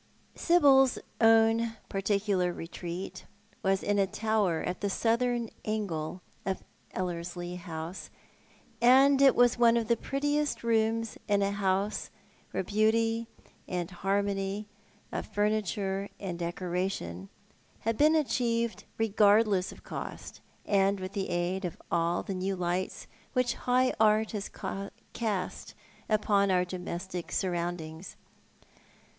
Sibyl's own particular retreat wa.s in a tower at the southern angle of Ellcrslie House, and it was one of the prettiest rooms in a house where beauty and harmony of furniture and decoration had been achieved regardless of cost, and with the aid of all the new lights wliich high art has cast Tipon our domestic surroundings.